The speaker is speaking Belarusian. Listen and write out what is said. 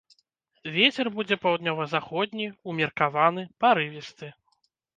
Вецер будзе паўднёва-заходні, умеркаваны, парывісты.